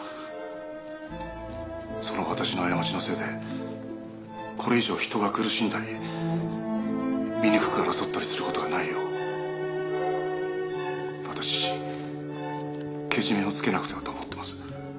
「その私の過ちのせいでこれ以上人が苦しんだり醜く争ったりする事がないよう私自身けじめをつけなくてはと思ってます」